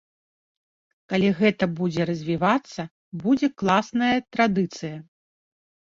Калі гэта будзе развівацца, будзе класная традыцыя.